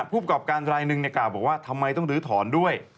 ผู้ประกอบการรายหนึ่งกล่าวบอกว่าทำไมต้องลื้อถอนด้วย